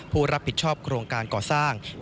ผู้รับผิดชอบโครงการก่อสร้าง